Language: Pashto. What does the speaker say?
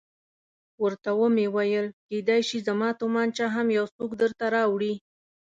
ورته ومې ویل کېدای شي زما تومانچه هم یو څوک درته راوړي.